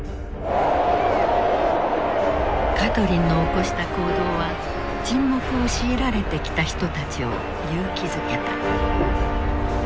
カトリンの起こした行動は沈黙を強いられてきた人たちを勇気づけた。